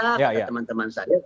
kata teman teman saya